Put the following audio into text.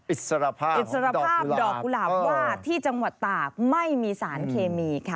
อิสรภาพดอกกุหลาบว่าที่จังหวัดตากไม่มีสารเคมีค่ะ